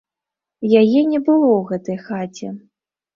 Яе не было ў гэтай хаце.